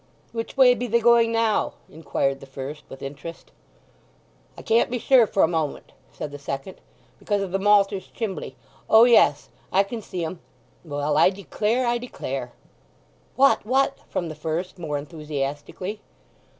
"Which way be they going now?" inquired the first with interest. "I can't be sure for a moment," said the second, "because of the malter's chimbley. O yes—I can see 'em. Well, I declare, I declare!" "What, what?" from the first, more enthusiastically.